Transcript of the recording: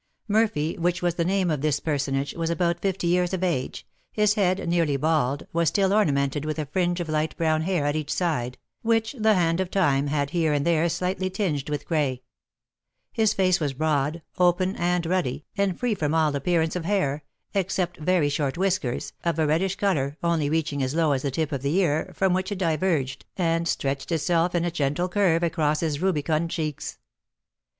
Murphy, which was the name of this personage, was about fifty years of age; his head, nearly bald, was still ornamented with a fringe of light brown hair at each side, which the hand of time had here and there slightly tinged with gray; his face was broad, open, and ruddy, and free from all appearance of hair, except very short whiskers, of a reddish colour, only reaching as low as the tip of the ear, from which it diverged, and stretched itself in a gentle curve across his rubicund cheeks.